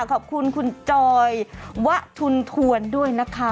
ขอบคุณคุณจอยวะชุนทวนด้วยนะคะ